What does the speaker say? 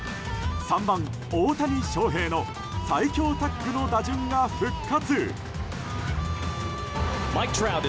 ３番、大谷翔平の最強タッグの打順が復活！